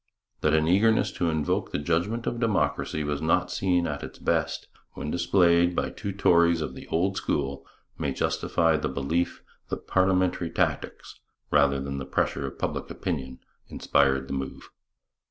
That an eagerness to invoke the judgment of democracy was not seen at its best, when displayed by two Tories of the old school, may justify the belief that parliamentary tactics, rather than the pressure of public opinion, inspired the move.